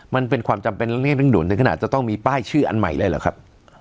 มันเป็นความจำเป็นเร่งด่วนแต่ก็อาจจะต้องมีป้ายชื่ออันใหม่เลยหรือครับ